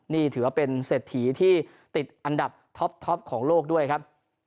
นี่ถือว่าเป็นเศรษฐีที่ติดอันดับท็อปของโลกด้วยครับ